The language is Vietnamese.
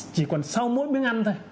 chỉ còn sau mỗi miếng ăn thôi